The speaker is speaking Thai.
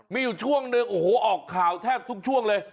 มีอยู่ช่วงหนึ่งโอ้โหออกข่าวแทบทุกช่วงเลย